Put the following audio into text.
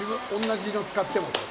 同じの使っても？